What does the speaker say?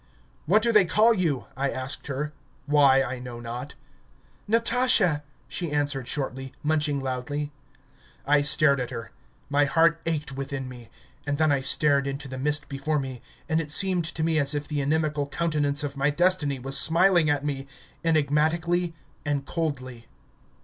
"What do they call you?" I asked her why I know not. "Natasha," she answered shortly, munching loudly. I stared at her. My heart ached within me; and then I stared into the mist before me, and it seemed to me as if the inimical countenance of my Destiny was smiling at me enigmatically and coldly.